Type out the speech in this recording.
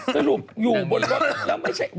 สรุปอยู่บนบน